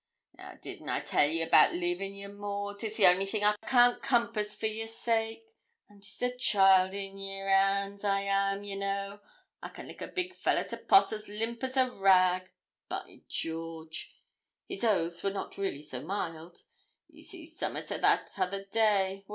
'Now, didn't I tell ye about leavin' ye, Maud? 'tis the only thing I can't compass for yer sake. I'm jest a child in yere hands, I am, ye know. I can lick a big fellah to pot as limp as a rag, by George!' (his oaths were not really so mild) 'ye see summat o' that t'other day.